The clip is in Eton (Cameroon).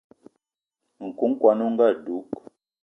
Nku kwan on ga dug